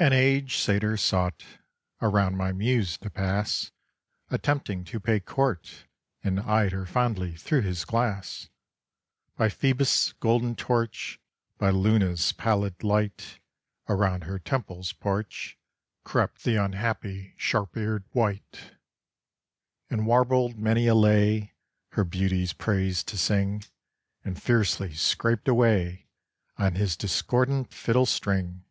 An aged satyr sought Around my Muse to pass, Attempting to pay court, And eyed her fondly through his glass. By Phoebus' golden torch, By Luna's pallid light, Around her temple's porch Crept the unhappy sharp eared wight; And warbled many a lay, Her beauty's praise to sing, And fiercely scraped away On his discordant fiddle string.